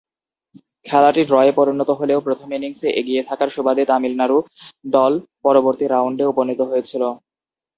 খেলাটি ড্রয়ে পরিণত হলেও প্রথম ইনিংসে এগিয়ে থাকার সুবাদে তামিলনাড়ু দল পরবর্তী রাউন্ডে উপনীত হয়েছিল।